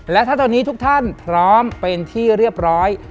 และถ้าตอนนี้ทุกท่านพร้อมเป็นที่เรียบร้อย